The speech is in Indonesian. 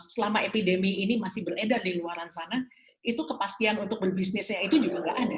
selama epidemi ini masih beredar di luar sana itu kepastian untuk berbisnisnya itu juga nggak ada